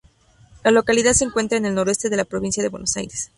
La localidad se encuentra en el noroeste de la provincia de Buenos Aires.